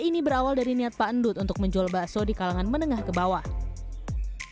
ide ini berawal dari niat pak endut untuk menjual bakso di kalangan menengah ke bawah